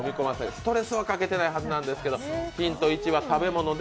ストレスはかけていないはずなんですけれどもヒント１。